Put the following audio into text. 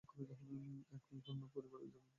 এক অগ্নিকাণ্ডে তার পরিবার-পরিজনের মৃত্যু হয়েছিল।